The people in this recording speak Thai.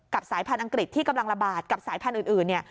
สายพันธุ์อังกฤษที่กำลังระบาดกับสายพันธุ์อื่น